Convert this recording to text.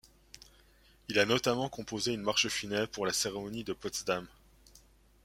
Il a notamment composé une marche funèbre pour la cérémonie de Potsdam.